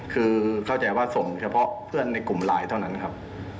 คือเข้าใจว่าส่งเฉพาะเพื่อนในกลุ่มไลน์เท่านั้นครับ